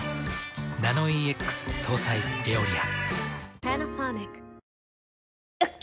ナノイーＸ搭載「エオリア」。